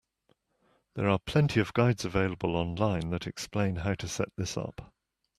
There are plenty of guides available online that explain how to set this up.